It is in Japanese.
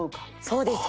そうです。